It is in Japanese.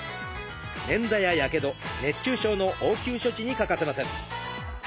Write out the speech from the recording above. ねんざややけど熱中症の応急処置に欠かせません。